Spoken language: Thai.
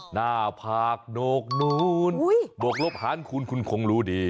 หน้าผากโหนกนู้นโบกลบหารคุณคุณคงรู้ดี